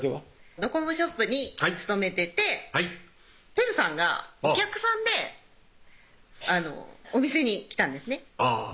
ドコモショップに勤めてて央さんがお客さんでお店に来たんですね